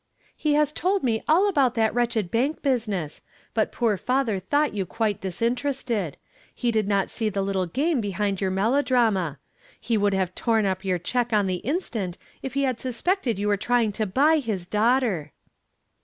"He has told me all about that wretched bank business. But poor father thought you quite disinterested. He did not see the little game behind your melodrama. He would have torn up your check on the instant if he had suspected you were trying to buy his daughter."